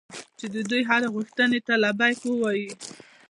چې د دوی هرې غوښتنې ته لبیک ووایي.